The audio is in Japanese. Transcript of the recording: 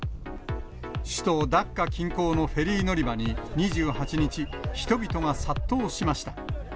首都ダッカ近郊のフェリー乗り場に２８日、人々が殺到しました。